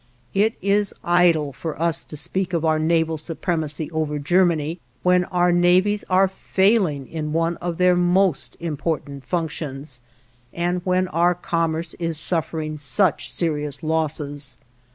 It is idle for us to speak of our naval supremacy over Germany, when our navies are failing in one of their most important functions, and when our commerce is suffering such serious losses.